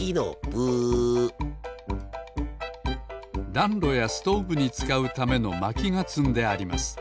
だんろやストーブにつかうためのまきがつんであります